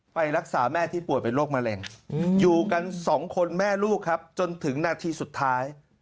ไปรักษาแม่ที่ป่วยเป็นโรคมะเร็งอยู่กันสองคนแม่ลูกครับจนถึงนาทีสุดท้าย